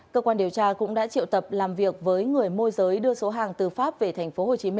cơ quan điều tra cũng đã triệu tập làm việc với người môi giới đưa số hàng từ pháp về tp hcm